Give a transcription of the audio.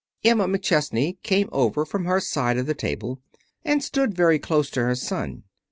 Emma McChesney came over from her side of the table and stood very close to her son.